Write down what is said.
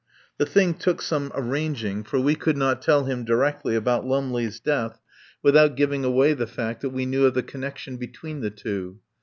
The thing took some arranging, for we could not tell him directly about Lumley's death without giving away the fact that we knew of the connection between the two.